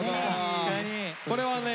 これはね